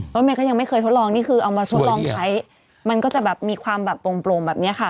เมย์ก็ยังไม่เคยทดลองนี่คือเอามาทดลองใช้มันก็จะแบบมีความแบบโปร่งแบบนี้ค่ะ